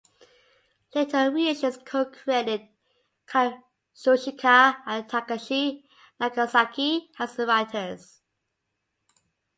Later reissues co-credit Katsushika and Takashi Nagasaki as the writers.